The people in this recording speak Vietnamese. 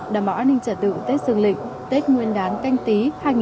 đảm bảo an ninh trả tự tết dương lịch tết nguyên đán canh tí hai nghìn hai mươi